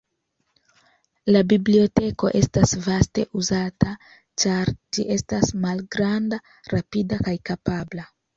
La biblioteko estas vaste uzata, ĉar ĝi estas malgranda, rapida kaj kapabla.